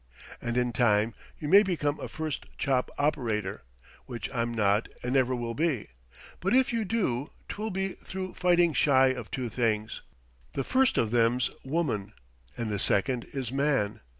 And in time you may become a first chop operator, which I'm not and never will be; but if you do, 'twill be through fighting shy of two things. The first of them's Woman, and the second is Man.